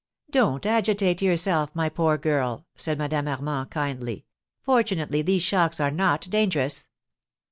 "Don't agitate yourself, my poor girl," said Madame Armand, kindly. "Fortunately these shocks are not dangerous."